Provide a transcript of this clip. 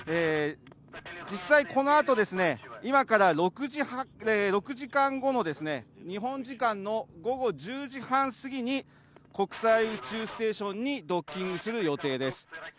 実際、このあと、今から６時間後の日本時間の午後１０時半過ぎに、国際宇宙ステーションにドッキングする予定です。